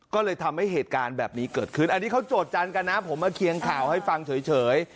ก็เลยทำให้เหตุการณ์แบบนี้เกิดขึ้นอันนี้เขาโจทยันกันนะผมมาเคียงข่าวให้ฟังเฉย